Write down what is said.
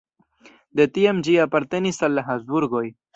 De tiam ĝi apartenis al la Habsburgoj.